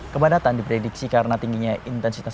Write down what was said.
kepadatan diprediksi karena kemasetan